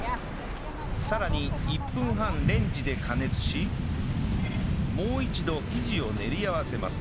さらに１分半レンジで加熱しもう一度生地を練り合わせます